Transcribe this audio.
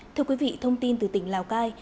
thưa quý vị thông tin từ tỉnh lào cai